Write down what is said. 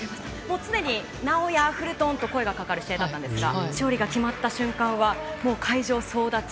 常に尚弥、フルトンと声がかかる試合だったんですが勝利が決まった瞬間はもう、会場総立ち。